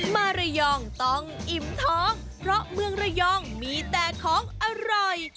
มาระยองต้องอิ่มท้องเพราะเมืองระยองมีแต่ของอร่อย